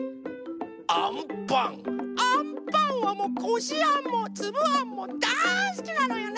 アンパンはもうこしあんもつぶあんもだいすきなのよね。